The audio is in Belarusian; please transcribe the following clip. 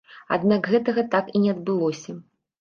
Аднак гэтага так і не адбылося.